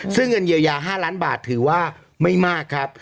ซึ่งเงินเยียวยา๕ล้านบาทถือว่าไม่มากครับ